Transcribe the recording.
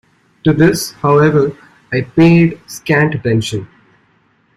To this, however, I paid scant attention.